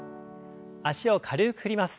脚を軽く振ります。